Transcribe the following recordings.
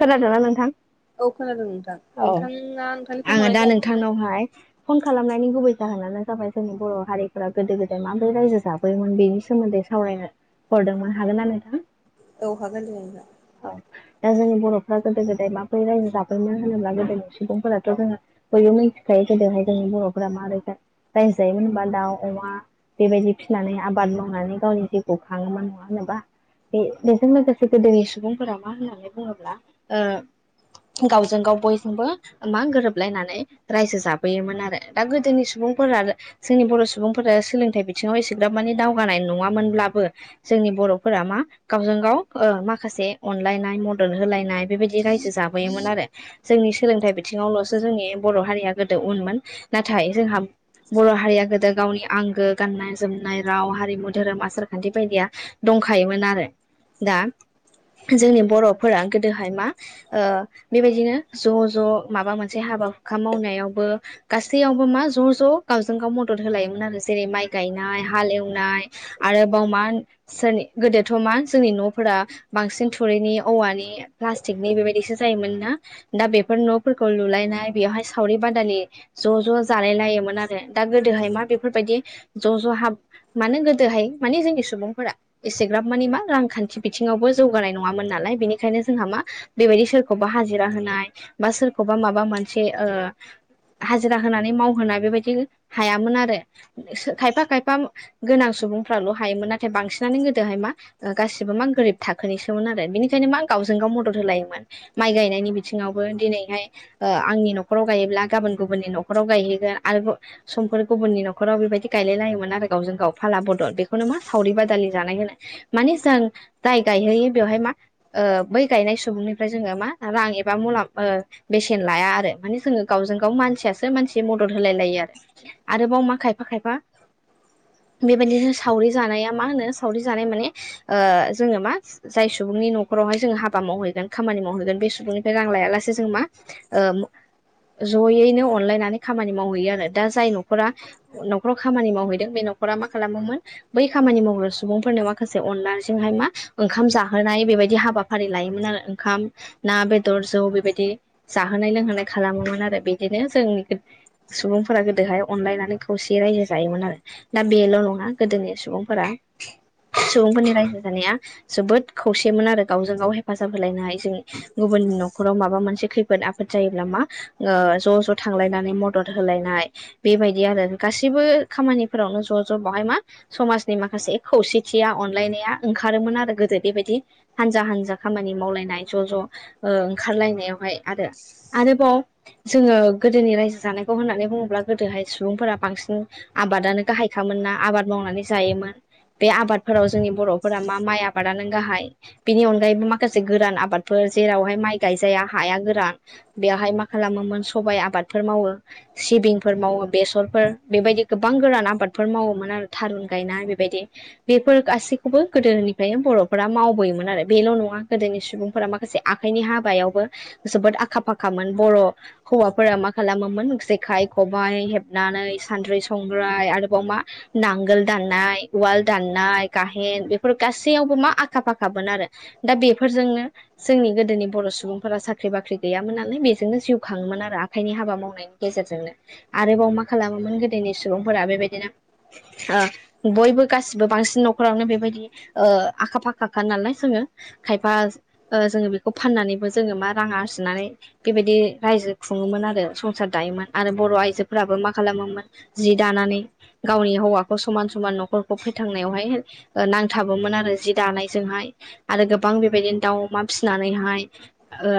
खोनादोंना नोंथां? औ खोनादों नोंथां औ नोंथाङा नोंथांनि फन आङो हरनाय दा जाहोनखौ नोंथांनावहाय फन खालामनायनि गुबै जाहोनानो जाबाय जोंनि बर' हारिफोरा गोदो गोदाय माबोरै रायजो जाबोयोमोन बेनि सोमोन्दै सावरायनो हरदोंमोन हागोनना नोंथां? औ हागोन दे नोंथां औ बर'फ्रा गोदो गोदाय माबोरै रायजो जाबोदोंमोन होनोब्ला गोदोनि सुबुंफोराथ' जोंहा बयबो मिथिखायो गोदोहाय जों बर'फोरा मारै रायजो जायोमोन होनबा दाउ अमा बेबायदि फिनानै आबाद मावनानै गावनि जिउखौ खाङोमोन नङा होनोबा बे-बेजों लोगोसे गोदोनि सुबुंफोरा मा होननानै बुङोब्ला ओ गावजों गाव बयजोंबो मा गोरोबलायनानै रायजो जाबोयोमोन आरो दा गोदोनि सुबुं फोरा जोंनि बर' सुबुंफोरा सोलोंथाइ बिथिङाव एसेग्राफ माने दावगानाय नङामोनब्लाबो जोंनि बर'फोरा मा गावजों गाव ओ माखासे अनलायनाय मद'द होलाय नाय बेबायदि रायजो जाबोयोमोन आरो जोंनि सोलोंथाइ बिथिङावल'सो जोंनि बर' हारिया गोदो उनमोन नाथाय जोंहा बर' हारिया गोदो गावनि आंगो गाननाय जोमनाय राव हारिमु धोरोम आसार खान्थि बायदिया दं दंखायोमोन आरो दा जोंनि बर'फोरा गोदोहाय मा ओ बेबायदिनो ज' ज' माबा मोनसे हाबा हुखा मावनायावबो गासैयावबो मा ज' ज' गावजों गाव मदद होलायोमोन आरो जेरै माइ गायनाय हाल एवनाय आरोबाव मा सोरनि गोदोथ' मा जोंनि न'फोरा बांसिन थुरिनि औवानि प्लास्टिकनि बेबायदिसो जायोमोन ना दा बेफोर न'फोरखौ लुलायनाय बेवहाय सावरि बादालि ज' ज' जालाय लायोमोन आरो दा गोदोहाय मा बेफोरबायदि ज' ज' हाबा मानो गोदोहाय माने जोंनि सुबुंफोरा एसेग्राब मानि मा रांखान्थि बिथिङावबो जौगानाय नङामोन नालाय बेनिखायनो जोंहा मा बेबायदि सोरखौबा हाजिरा होनाय बा सोरखौबा माबा मोनसे ओ हाजिरा होनानै मावहोनो बेबायदि हायामोन आरो खायफा खायफा गोनां सुबुंफ्राल' हायोमोन नाथाय बांसिनानो गोदोहाय मा गासिबो मा गोरिब थाखोनिसोमोन आरो बिनिखायनो मा गावजों गाव मदद होलायोमोन माइ गायनायनि बिथिंयावबो दिनैहाय ओ आंनि न'खराव गायोब्ला गाबोन गुबुननि न'खराव गायहैगोन आरो समफोर गुबुननि न'खराव बेबायदि गायलायलायोमोन आरो गावजों गाव फालाब दल बेखौनो मा सावरि बादालि जानाय होनो माने जों जाय गायहोयो बेवहाय मा ओ बै गायनाय सुबुंनिफ्राय जोङो मा रां एबा मुलाम बेसेन लाया आरो जोंङो गावजों गाव मानसियास मानसि मदद होलाय लायो आरो आरोबाव मा खायफा खायफा बेबायदिनो सावरि जानाया मा होनो सावरि जानाय माने ओ जोङो मा जाय सुबुंनि न'खर नखरावहाय जोङो हाबा मावहैगोन खामानि मावहैगोन बे सुबुंनिफ्राय रां लायालासे जों मा ओ जयैनो अनलायनानै खामानि मावहैयो आरो दा जाय न'खरा न'खराव खामानि मावहैदों बे न' खरा मा खालामोमोन बै खामानि मावग्रा सुबुंफोरनो माखासे अननायजोंहाय मा ओंखाम जाहोनाय बे बायदि हाबाफारि लायोमोन आरो ओंखाम ना बेदर जौ बेबायदि जाहोनाय लोंहोनाय खालामोमोन आरो आरो बिदिनो जोंनि सुबुंफोरा गोदोहाय अनलायनानै खौसेै रायजो जायोमोन आरो दा बे ल' नङा गोदोनि सुबुंफोरा सुबुंफोरनि रायजो जानाया जोबोद खौसेमोन आरो गावजों गाव हेफाजाब होलायनो हायो जों गुबुन न'खराव माबा मोनसे खैफोद आफोद जायोब्ला मा ज' ज' थांलायनानै मदद होलायनाय बेबायदि आरो गासिबो खामानिफोरावनो ज' ज' बेावहाय मा समाजनि माखासे खौसेथिया अनलायनाया ओंखारोमोन आरो गोदो बेबायदि हानजा हानजा खामानि मावलायनाय ज' ज' ओंखारलायनायावहाय आरो आरोबाव जोङो गोदोनि रायजो जानायखौ होननानै बुङोब्ला गोदोहाय सुबुंफोरा बांसिन आबादानो गाहायखा मोनना आबाद मावनानै जायोमोन बे आबादफोराव जोंनि बर'फोरा मा माइ आबादानो गाहाय बेनि अनगायैबो माखासे गोरान आबादफोर जेरावहाय माइ गायजाया हाया गोरान बेवहाय माखासे खालामोमोन सबबाय आबादफोर मावो सिबिंफोर मावो बेसरफोर बेबायदि गोबां गोरान आबादफोर फोर मावोमोन आरो थारुन गायनाय बेबायदि बेफोर गासैखौबो गोदोनिफ्रायनो बर'फोरा मावबोयो आरो बेल' नङा गोदोनि सुबुंफोरा माखासे आखाइनि हाबायावबो जोबोद आखा फाखामोन बर' हौवाफोरा मा खालामोमोन जेखाइ खबाइ हेबनानै सानद्रि संद्राय आरोबाव मा नांगोल दाननाय उवाल दाननाय गाहेन बेफोर गासैयावबो मा आखा फाखा [unintelligible] बोन आरो दा बेफोरजोंनो जोंनि गोदोनि बर' सुबुंफोरा साख्रि बाख्रि गैयामोन नालाय बेजोंनो जिउ खाङोमोन आरो आखाइनि हाबा मावनायनि गेजेरजोंनो आरोबाव मा खालामोमोन गोदोनि सुबुंफोरा बेबायदिनो ओ बयबो गासिबो बांसिन न'खरावनो बेबायदि ओ आखा फाखा खाखा नालाय जोङो खायफा ओ जोङो बेखौ फाननानैबो जोङो मा रां आरजिनानै बे बेदि रायजो खुङोमोन आरो संसार दायोमोन आरो बर' आइजोफोराबो मा खालामोमोन जि दानानै गावनि हौवाखौ समान समान न'खरखौ फोथांनायावहाय ओ नांथाबोमोन आरो जि दानायजोंहाय आरो गोबां बेबायदिनो दाउ अमा फिसिनानैहाय ओ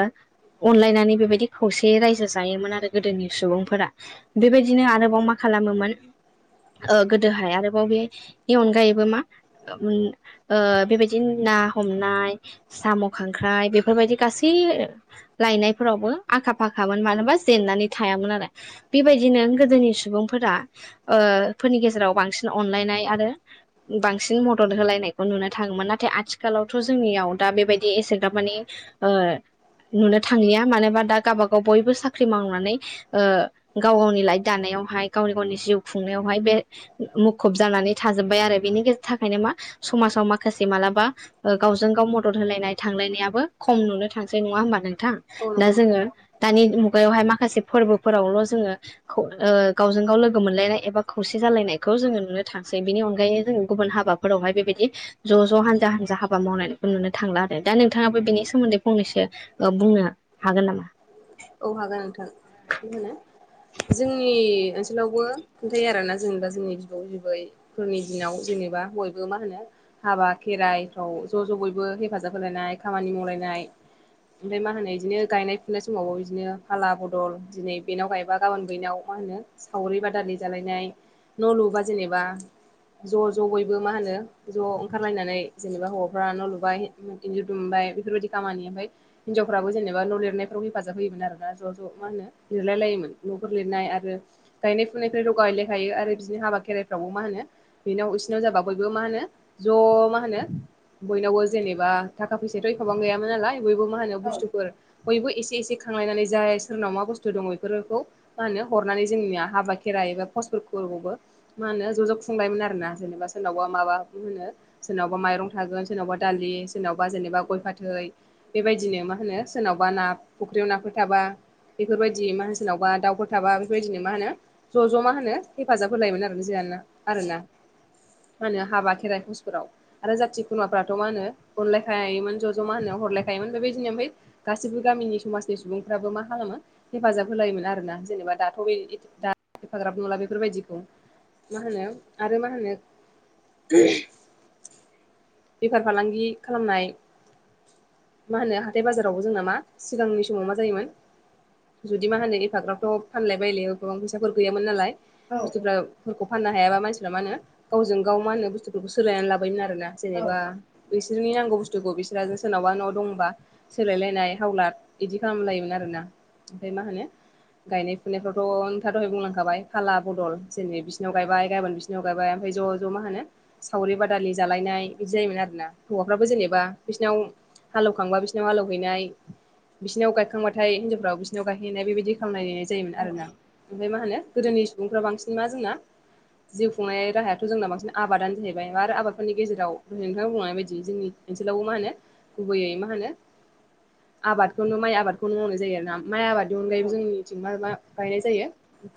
अनलायनानै बेबायदि खौसेयै रायजो जायोमोन आरो गोदोनि सुबुंफोरा बेबायदिनो आरोबाव माखासे खालामोमोन। ओ गोदोहाय आरोबाव बेनि अनगायैबो मा ओम ओ बेबायदिनो ना हमनाय साम' खांख्राइ बेफोरबायदि गासै लायनायफोराव वबो आखा फाखामोन मानोबा जेननानै थायामोन आरो बेबायदिनो गोदोनि सुबुंफोरा ओ फोरनि गेजेराव बांसिन अनलायनाय आरो बांसिन मदद होलायनायखौ नुनानै थाङोमोन नाथाय आथिखालावथ' जोंनियाव दा बेबायदि एसेग्राब माने ओ नुनो थांलिया मानोबा दा गावबागाव बयबो साख्रि मावनानै ओ गाव गावनि लाइफ दानाय यावहाय गावनि गावनि जिउ खुंनायावहाय बे मुखुब जानानै थाजोब्बाय आरो बेनि गे थाखायनो मा समासाव माखासे मालाबा ओ गावजों गाव मदद होलायनाय थांलायनायाबो खम नुनो थांसै नङा होमबा नों थां औ दा नंगौ नोंथां जोङो दानि मुगायावहाय माखासे फोरबोफोरावल' खौ ओ जोङो गावजों गाव लोगो मोनलायनाय एबा खौसे जालायनाय खौ जोङो नुनो थांसै बिनि अनगायै जों गुबुन हाबाफोरावहाय बेबायदि ज' ज' हानजा हानजा हाबा मावनायखौ नुनो थांला आरो दा नोंथाङाबो बेनि सोमोन्दै फंनैसो ओ बुंनो हागोन नामा? औ हागोन नोंथां बे होनो जोंनि ओनसोलावबो खिन्थायो आरोना जेनेबा जोंनि बिबौ बिबैफोरनि दिनाव जेनेबा बयबो मा होनो हाबा खेराइफ्राव ज' ज' बयबो हेफाजाब होलायनाय खामानि मावलायनाय ओमफ्राय मा होनो इदिनो गायनाय फुनाय समावबो बिदिनो फाला बदल दिनै बेनाव गायबा गाबोन बेनाव मा होनो सावरि बादालि जालायनाय न' लुबा जेनेबा ज' ज' बयबो मा होनो ज' ओंखारलायनानै जेनेबा हौवाफ्रा न' लुबाय इन्जु दुमबाय फोरबायदि कामानि हिन्जावफोराबो जेनेबा न' लिरनाय फोराव हेफाजाब होयोमोन आरोना ज' ज' मा होनो लिरलाय लायोमोन न'फोर लिरनाय आरो गायनाय फुनायफ्राय गेलेखायो आरो बिदिनो हाबा खेराइफ्रावबो मा होनो बेनाव बिसोरनाव जाबा बयबो मा होनो ज' मा होनो बयनावबो जेनेबा थाखा फैसायाथ' एखबां गैयामोन नालाय बयबो मा होनो बुस्थुफोर बयबो एसे एसे खांलायनानै जाय सोरनाव मा बुस्थु दं इफोरखौ मा होनो हरनानै जोंनिया हाबा खेराइ एबा भजफोरखौबो मा होनो ज' ज' खुंलायोमोन आरोना जेनेबा सोरनावबा माबा होनो सोरनावबा नावबा माइरं थागोन सोरनावबा दालि सोरनावबा जेनेबा गय फाथै बेबादिनो मा होनो सोरनाव बा ना फुख्रियाव नाफोर थाबा बेफोरबायदि मा होनो सोरनावबा दाउफोर थाबा बेफोरबायदिनो मा होनो ज' ज' मा होनो हेफाजाब होलायोमोन आरो ना जोंहा? आरोना मा होनो हाबा खेराइ हुसफोराव आरो जाथि खुरमाफोराथ' मा होनो अनलायखायोमोन ज' ज' मा होनो हरलायखायोमोन बे बायजिनि ओमफाय गासैबो गामिनि समाजनि सुबुंफ्राबो मा खालामो हेफाजाब होलायोमोन आरोना जेनेबा दाथ' बे [unintelligible] एफाग्राब नुला बेफोरबायदिखौ मा होनो आरो मा होनो [inaudible] बेफार फालांगि खालामनाय मा होनो हाथाय बाजार फ्रावबो जोंना मा सिगांनि समाव मा जायोमोन जुदि मा होनो एफाग्राबथ' फानलाय बायलायाव गोबां फैसाफोर गैयामोन नालाय बुस्थुफ्राफोरखौ फाननो हायाबा मानसिफ्रा मा होनो गावजों गाव मा होनो बुस्थुफोरखौ सोलायनानै लाबोयोमोन आरोना जेनेबा बिसोरनि नांगौ बुस्थुखौ बिस्राजों सोरनावबा न'आव दंबा सोलायलायनाय हावलाद बिदि खालामलायोमोन आरोना ओमफाय मा होनो गायनाय फुनायफ्रावथ' नोंथाङा दहाय बुंलांखाबाय फाला बदल दिनै बिसिनाव गायबाय गाबोन बिसिनाव गायबाय ओमफ्राय ज' ज' मा होनो सावरि बादालि जालायनाय बिदि जायोमोन आरोना, हौवाफ्राबो जेनेबा बिसिनाव हालौखांबा बि सिनाव हालौहैनाय, बिसिनाव गायखांबाथाय हिनजावफ्राबो बिसिनाव गायहैनाय बेबायदि खालामनाय जायोमोन आरोना ओमफ्राय मा होनो गोदोनि सुबुंफ्रा बांसिन मा जोंना जिउ खुंनाय राहायाथ' जोंना बांसिन आबादानो जाहैबाय आरो आबादफोरनि गेजेराव दहाय नोंथाङा बुंलांनाय बायदि जोंनि ओनसोलावबो मा होनो गुबैयै मा होनो आबादखौनो माइ आबादखौनो मावनाय जायो आरोना माइ आबाद बेनि अनगायैबो जोंनिथिं मा मा गायनाय जायो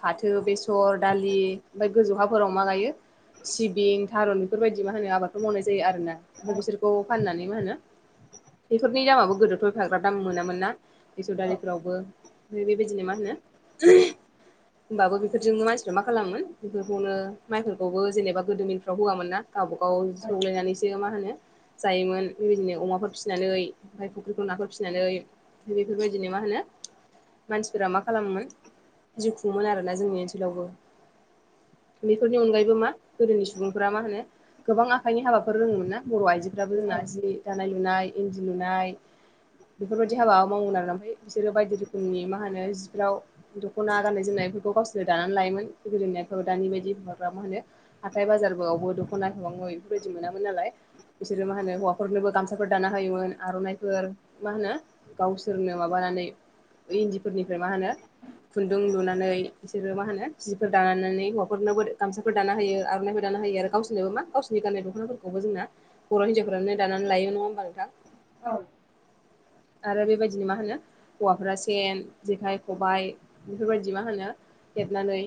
फाथो, बेसर, दालि ओमफ्राय गोजौ हाफोराव मा गायो सिबिं, थारुन बेफोरबायदि मा होनो आबादफोर मावनाय जायो आरोना ओमफ्राय बिसोरखौ फाननानै मा होनो बेफोर नि दामाबो गोदोथ' एफाग्राब दाम मोनामोन ना बेसर दालिफोरावबो ओमफ्राय बेबायदिनो मा होनो [inaudible] होमबाबो बेफोरजों मानसिफ्रा मा खालामोन बेफोरखौनो माइफोरखौबो जेनेबा गोदो मिलफ्राव होआमोन ना । गावबा गाव सौलायनानैसो मा होनो जायोमोन बेबायदिनो अमाफोर फिसिनानै ओमफ्राय फुख्रिखौ नाफोर फिसिनानै ओमफ्राय बेफोरबायदिनो मा होनो मानसिफोरा मा खालामोमोन जिउ खुङोमोन आरोना जोंनि ओनसोलावबो । बेफोरनि अनगायैबो मा गोदोनि सुबुंफोरा मा होनो गोबां आखाइनि हाबाफोर रोङोमोन ना बर' आइजोफो राबो जोंना जि दानाय लुनाय, इन्दि लुनाय बेफोरबायदि हाबा मावोमोन आरो ओमफ्राय बिसोरो बायदि रोखोमनि मा होनो जिफोराव दख'ना गाननाय जोमनाय बेफोरखौ गावसोरो दानानै लायोमोन गोदोनियाथ दानि बायदि एफाग्राब मा होनो हाथाय बाजाराबो दखना बेफोरबादि मोनामोन नालाय बिसोरो मा होनो हौवाफोऱनोबो गामसाफोर दानानै आर'नाइफोर मा होनो गावसोरनो माबानानै इन्दिफोरनिफ्राय मा होनो खुन्दुं लुनानै बिसोरो मा होनो सिफोर दानानै हौवाफोरनोबो गामसाफोर दानानै होयो आरनाइबो दानानै होयो आरो गावसोरनोबो मा गावसिनि गाननाय दख'नाफोरखौबो जोंना बर' हिनजावफोरानो दानानै लायो । नङा होनबा नोंथां? औ । आरो बेबायदिनो मा होनो हौवाफोरा सेन, जेखाइ, खबाय बेफोरबायदि मा होनो हेबनानै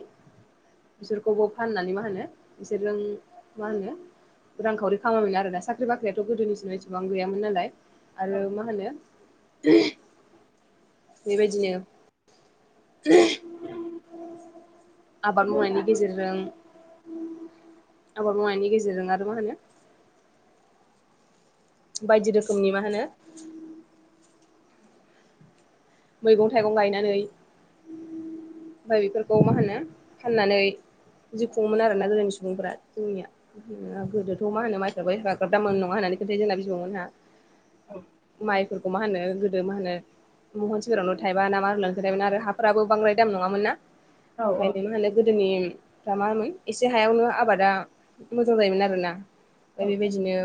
बिसोरखौबो फाननानै मा होनो बिसोरजों मा होनो रांखावरि खामायोमोन आरोना साख्रि बाख्रियाथ' गोदोनि दिनाव इसेबां गैयामोन नालाय आरो मा होनो बेबायदिनो [inaudible] आबाद मावनायनि गेजेरजों आबाद मावनायनि गेजेरजों आरो मा होनो बायदि रोखोमनि मा होनो मैगं थाइगं गायनानै ओमफाय बेफोरखौ मा होनो फाननानै जिव खुंङोमोन आरो ना गोदोनि सुबुंफोरा जोंनिया गोदोथ' मा होनो माइसाबो हाग्रादांङोमोन नंङा होनबा [unintelligible] [unintelligible] माइफोरखौ मा होनो गोदो मा होनो महनसेफोरावनो थायबा न मा होन्नानै खोनथायोमोन आरो हाफोराबो बांद्राय दाम नंङामोन ना ओंखायनो मा होनो गोदोनि दा मामोन एसे हायावनो आबादा मोजां जायोमोन आरोना । ओमफाय बेबायदिनो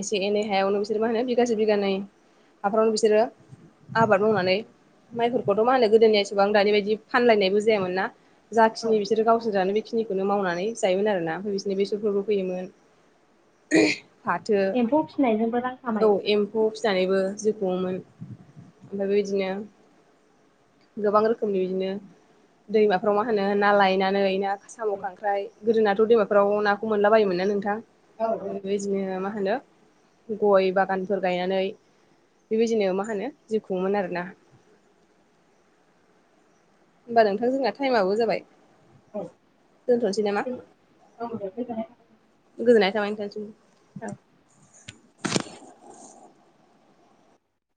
एसे एनै हायावनो बिसोर मा होनो बिगसे बिगानै हाफ्रावनो बिसोरो आबाद मावनानै माइफोरखौथ' मा होनो गोदोनिया एसेबांं दानि बायदि फानलायनायबो जायामोन ना । जाखिनि बिसोर गावसोर जानो बि खिनिखौनो मावनानै जायोमोन आरोना ओमफ्राय बिसोरनि बेसरफोरबो फैयोमोन । फाथो औ एम्फौ फिसिनानैबो जिव खुंङोमोन । आमफाय बेबादिनो गोबां रोखोमनि बिदिनो दैमाफ्राव मा होनो ना लायनानै ना साम' खांख्राइ गोदोनाथ' दैमाफोराव नाखौ मोनला बायोमोन ना नोंथां आरोबायदिनो मा । मा होनो गय बागानफोर गायनानै बेबायदिनो मा होनो जिउखुङोमोन आरोना । होमबा नोंथां जोंना टाइमाबबो जाबाय । औ, दोनथ'नोसै नामा? औ दे गोजोननाय थाबाय । गोजोननाय थाबाय नोंथांनिसिम ।